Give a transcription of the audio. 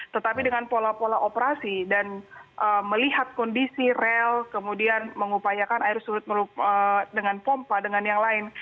tetapi dengan pola pola operasi dan melihat kondisi rel kemudian mengupayakan air surut dengan pompa dengan yang lain